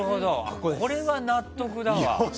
これは納得だわ。